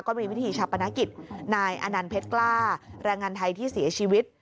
ก็มีวิธีชาปนกิจนายอนันต์เพชรกล้าแรงงานไทยที่เสียชีวิต